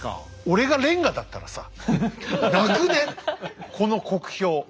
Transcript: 俺がレンガだったらさ泣くねこの酷評。